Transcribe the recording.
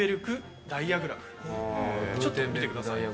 ちょっと見てください。